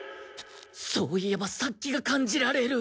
そういえば殺気が感じられる。